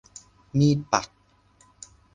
มีดปัก